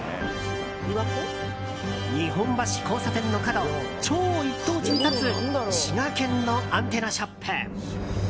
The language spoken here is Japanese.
日本橋交差点の角超一等地に立つ滋賀県のアンテナショップ。